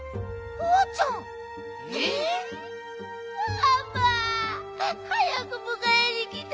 ママはやくむかえにきて！